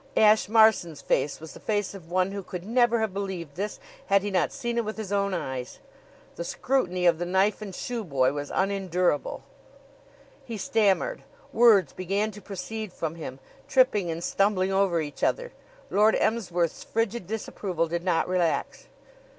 Ashe Marson's face was the face of one who could never have believed this had he not seen it with his own eyes. The scrutiny of the knife and shoe boy was unendurable. He stammered. Words began to proceed from him, tripping and stumbling over each other. Lord Emsworth's frigid disapproval did not relax.